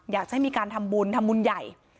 อยากจะมีการทำบุญใหม่